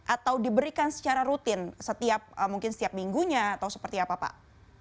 atau diberikan secara rutin setiap mungkin setiap minggunya atau seperti apa pak